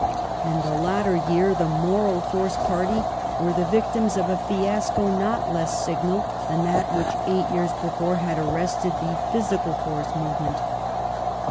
In the latter year the " moral force " party were the victims of a fiasco not less signal than that which eight yeai*s before had arrested the "physical force" movement.